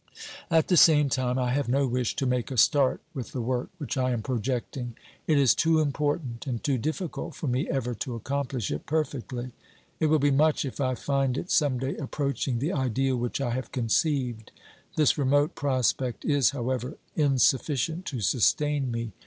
At the same time, I have no wish to make a start with the work which I am projecting. It is too important and too difficult for me ever to accomplish it perfectly ; it will be much if I find it some day approaching the ideal which I have conceived. This remote prospect is, however, insuffi cient to sustain me.